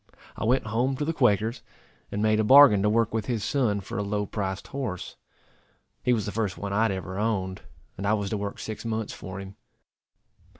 I went home to the Quaker's, and made a bargain to work with his son for a low priced horse. He was the first one I had ever owned, and I was to work six months for him.